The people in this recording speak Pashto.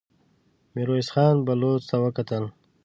ميرويس خان بلوڅ ته وکتل.